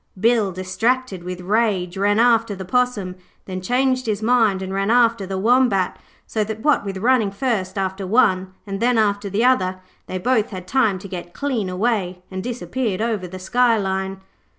Bill, distracted with rage, ran after the Possum, then changed his mind and ran after the Wombat, so that, what with running first after one and then after the other, they both had time to get clean away, and disappeared over the skyline.